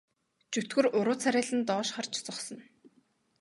Чөтгөр уруу царайлан доош харж зогсоно.